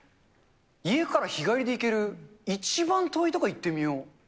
家から日帰りで行ける一番遠い所、行ってみよう。